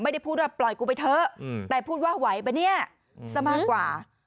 ไม่ได้พูดว่าปล่อยกูไปเถอะแต่พูดว่าไหวป่ะเนี่ยซะมากกว่า